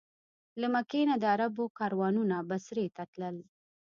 له مکې نه د عربو کاروانونه بصرې ته تلل.